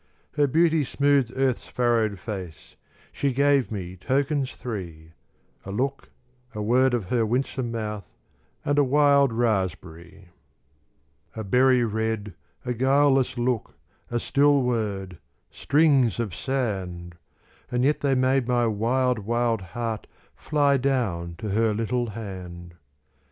Her beauty smoothed earth's furrowed face. She gave me tokens three: A look, a word of her winsome mouth, And a wild raspberry. A berry red, a guileless look, A still word, strings of sand! And yet they made my wild, wild heart Fly down to her little hand.